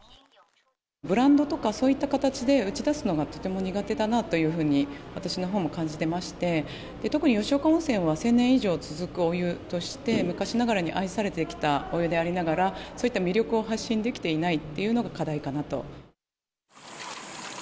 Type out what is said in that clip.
ブランドとか、そういう形で打ちだすのがとても苦手だなというふうに私のほうも感じてまして、特に吉岡温泉は１０００年以上続くお湯として、昔ながらに愛されてきたお湯でありながら、そういった魅力を発信できていないっていうのが課題かなと。